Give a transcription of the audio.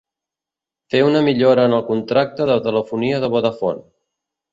Fer una millora en el contracte de telefonia de Vodafone.